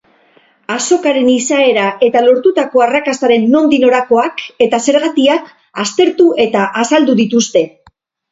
Azokaren izaera eta lortutako arrakastaren nondik norakoak eta zergatiak aztertu eta azaldu dituzte.